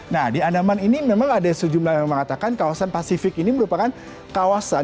nah di andaman ini memang ada sejumlah yang mengatakan kawasan pasifik ini merupakan kawasan